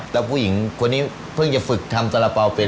แล้วผู้หญิงคนนี้เพิ่งจะฝึกทำสาระเป๋าเป็น